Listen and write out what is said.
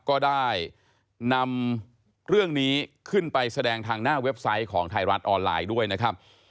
ก็ได้นำเรื่องนี้ขึ้นไปแสดงทางหน้าเว็บไซต์ของไทยรัฐออนไลน์ด้วยนะครับ